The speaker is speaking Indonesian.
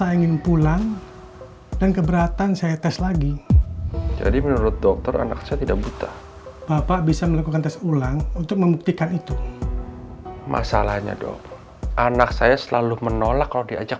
ini hasil rekam medis dan ct scan anak bapak